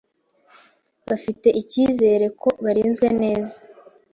bafite icyizere ko barinzwe neza